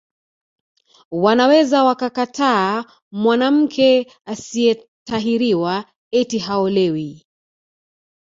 Wanaweza wakakataa mwanamke asiyetahiriwa eti haolewi